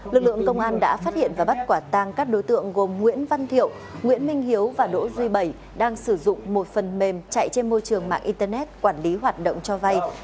lực lượng công an đã phát hiện và bắt quả tang các đối tượng gồm nguyễn văn thiệu nguyễn minh hiếu và đỗ duy bảy đang sử dụng một phần mềm chạy trên môi trường mạng internet quản lý hoạt động cho vay